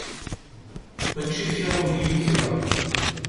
Mačči d karuh i yi-ikreh.